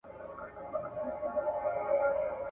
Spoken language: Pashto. پښتو ژبه د علم او پوهې د لیږد غوره وسیله ده.